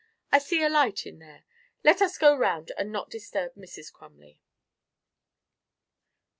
I see a light in there let us go round and not disturb Mrs. Crumley."